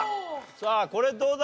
さあこれどうだ？